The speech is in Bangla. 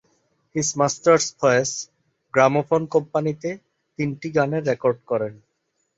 হিজ মাস্টার্স ভয়েস গ্রামোফোন কোম্পানিতে তিনটি গানের রেকর্ড করেন।